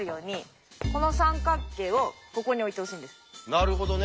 なるほどね。